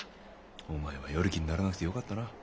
お前は与力にならなくてよかったな。